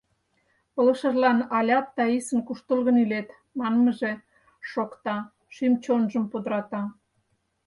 Пылышыжлан алят Таисын «куштылгын илет» манмыже шокта, шӱм-чонжым пудрата.